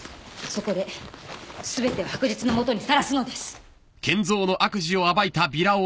そこで全てを白日のもとにさらすのです。